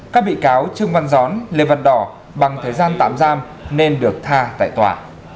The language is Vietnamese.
các bị cáo trương văn gión lê văn đỏ bằng thời gian tạm giam nên được tha tại tòa